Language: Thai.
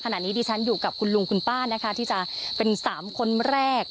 ดิฉันอยู่กับคุณลุงคุณป้านะคะที่จะเป็น๓คนแรก